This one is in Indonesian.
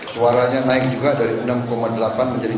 suaranya naik juga dari enam delapan menjadi empat